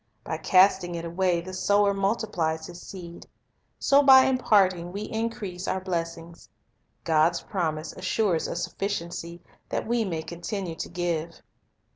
By casting it away the sower multiplies his seed. So by imparting we increase our blessings. God's promise assures a sufficiency, that we may continue to give.